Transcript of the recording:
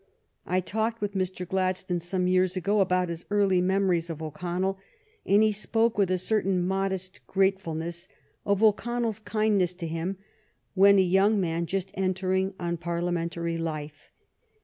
I talked with Mr. Gladstone some years ago about his early memories of O'Connell, and he spoke with a certain modest gratefulness of O'Conneirs kindness to him when a young man just entering on Parliamentary life.